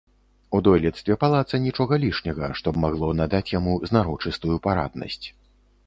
У дойлідстве палаца нічога лішняга, што б магло надаць яму знарочыстую параднасць.